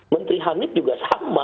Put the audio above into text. menteri hanif juga sama